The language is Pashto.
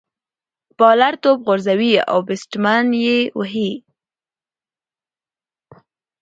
بالر توپ غورځوي، او بيټسمېن ئې وهي.